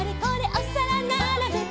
おさらならべて」